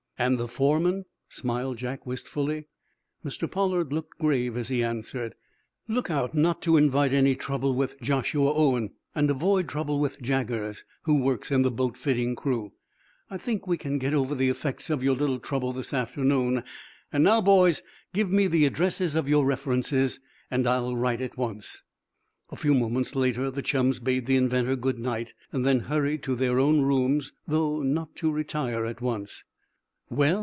"And the foreman?" smiled Jack, wistfully. Mr. Pollard looked grave as he answered: "Look out not to invite any trouble with Joshua Owen, and avoid trouble with Jaggers, who works in the boat fitting crew. I think we can get over the effects of your little trouble this afternoon. And now, boys, give me the addresses of your references, and I'll write at once." A few moments later the chums bade the inventor good night, then hurried to their own room, though not to retire at once. "Well!"